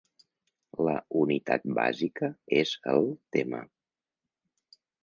La unitat bàsica és el tema.